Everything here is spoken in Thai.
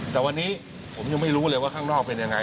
แต่วันนี้ผมยังไม่รู้เลยว่าข้างนอกเป็นยังไง